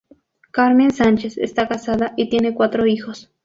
Carmen Sánchez está casada y tiene cuatro hijos.